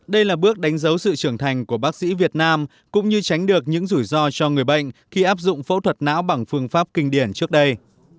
đây là bước đánh dấu sự trưởng thành của bác sĩ việt nam cũng như tránh được những rủi ro cho người bệnh khi áp dụng phẫu thuật não bằng phương pháp kinh điển trước đây